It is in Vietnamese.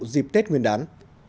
dịp tết nguyên đán